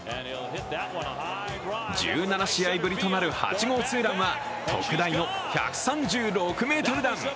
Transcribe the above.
１７試合ぶりとなる８号ツーランは特大の１３６ｍ弾。